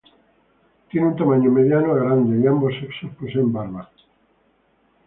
Tienen un tamaño mediano a grande y ambos sexos poseen barba.